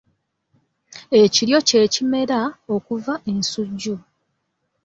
Ekiryo kye kimera okuva ensujju.